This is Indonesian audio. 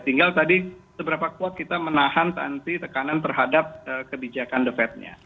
tinggal tadi seberapa kuat kita menahan nanti tekanan terhadap kebijakan the fed nya